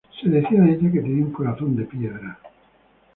Se decía de ella que tenía un corazón de piedra.